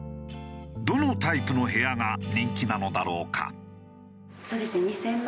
どのタイプの部屋が人気なのだろうか？